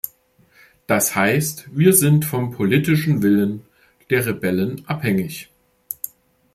Das heißt, wir sind vom politischen Willen der Rebellen abhängig.